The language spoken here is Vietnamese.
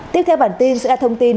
tiếp theo bản tin sẽ là thông tin